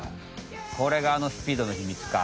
これがあのスピードの秘密か。